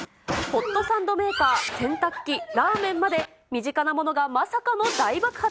ホットサンドメーカー、洗濯機、ラーメンまで、身近なものがまさかの大爆発。